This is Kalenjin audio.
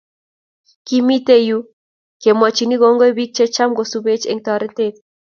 kimite yue kemwochin kongoi biik checham kosubech eng' torete